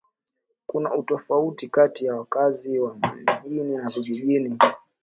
Kuna utofauti kati ya wakazi wa mijini na vijijini